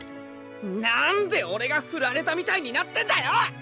なんで俺がフラれたみたいになってんだよ！